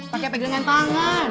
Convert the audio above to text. pake pegangan tangan